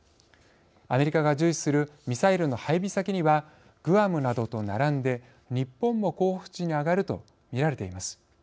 アメリカが重視するミサイルの配備先にはグアムなどと並んで日本も候補地に挙がるとみられています。